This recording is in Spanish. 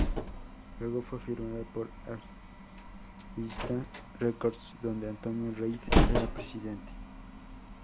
Luego, fue firmada por Arista Records donde Antonio Reid era presidente.